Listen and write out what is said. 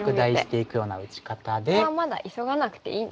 ここはまだ急がなくていいですね。